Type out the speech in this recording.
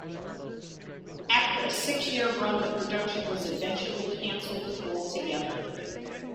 After a six-year run, the production was eventually canceled altogether.